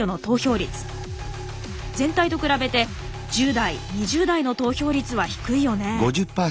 全体と比べて１０代２０代の投票率は低いよね。